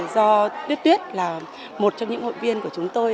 do tuyết tuyết là một trong những hội viên của chúng tôi